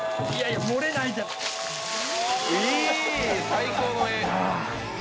最高の画」